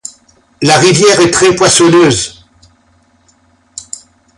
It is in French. La rivière est très poissonneuse.